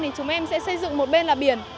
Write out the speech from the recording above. thì chúng em sẽ xây dựng một bên là biển